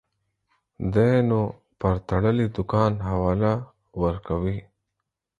دى نو پر تړلي دوکان حواله ورکوي.